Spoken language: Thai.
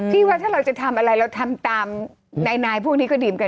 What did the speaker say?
ที่ว่าถ้าเราจะทำอะไรเราทำตามนายพวกนี้ก็ดื่มกัน